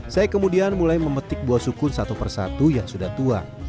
saya kemudian mulai memetik buah sukun satu persatu yang sudah tua